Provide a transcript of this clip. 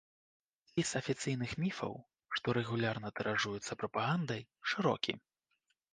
Спіс афіцыйных міфаў, што рэгулярна тыражуюцца прапагандай, шырокі.